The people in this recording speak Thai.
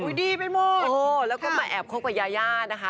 ดีไปหมดแล้วก็มาแอบคบกับยายานะคะ